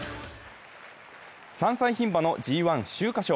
３歳ひん馬のＧⅠ秋華賞。